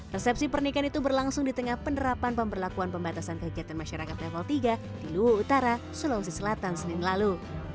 resepsi pernikahan itu berlangsung di tengah penerapan pemberlakuan pembatasan kegiatan masyarakat level tiga di luwu utara sulawesi selatan senin lalu